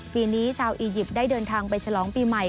ปีนี้ชาวอียิปต์ได้เดินทางไปฉลองปีใหม่